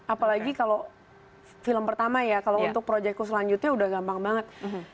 apalagi kalau film pertama ya kalau untuk projectku selanjutnya udah gampang banget